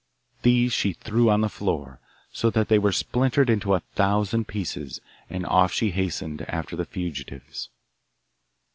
These she threw on the floor, so that they were splintered into a thousand pieces, and off she hastened after the fugitives.